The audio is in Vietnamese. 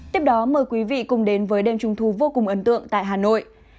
tiếp đó mời quý vị cùng đến với đêm trung thu vô cùng ấn tượng tại hà nội